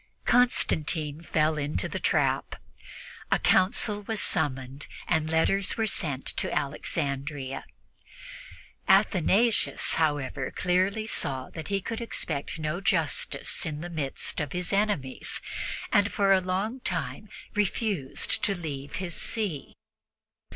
Constantine fell into the trap. A council was summoned, and letters were sent to Alexandria. Athanasius, however, clearly saw that he could expect no justice in the midst of his enemies, and for a long time refused to leave his see.